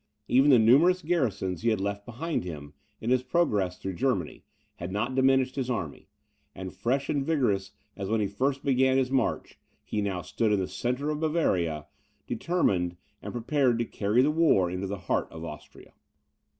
Even the numerous garrisons he had left behind him, in his progress through Germany, had not diminished his army; and, fresh and vigorous as when he first began his march, he now stood in the centre of Bavaria, determined and prepared to carry the war into the heart of Austria.